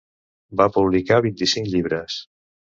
Va publicar vint-i-cinc llibres.